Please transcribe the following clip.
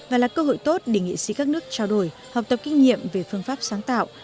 và là cơ hội tốt để nghệ sĩ các nước trao đổi học tập kinh nghiệm về phương pháp sáng tạo